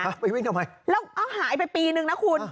ไปวิ่งทำไมแล้วหายไปปีนึงนะคุณ